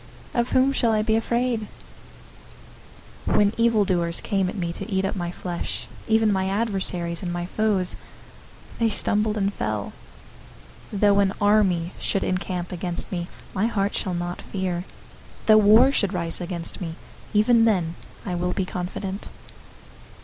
Of whom shall I be afraid? 027:002 When evil doers came at me to eat up my flesh, even my adversaries and my foes, they stumbled and fell. 027:003 Though an army should encamp against me, my heart shall not fear. Though war should rise against me, even then I will be confident.